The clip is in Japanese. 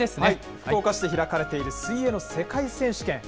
福岡市で開かれている水泳の世界選手権。